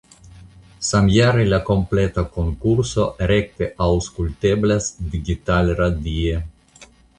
Samjare la kompleta konkurso rekte auŝkulteblas digitalradie.